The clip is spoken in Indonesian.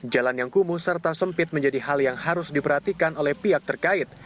jalan yang kumuh serta sempit menjadi hal yang harus diperhatikan oleh pihak terkait